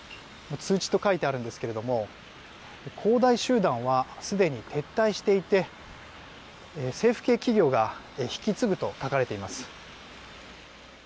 通知と書いてあるんですが恒大集団はすでに撤退していて政府系企業が引き継ぐと書かれています。